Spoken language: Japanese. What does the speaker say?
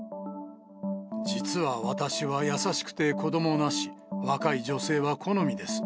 実は私は優しくて子どもなし、若い女性は好みです。